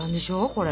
これ。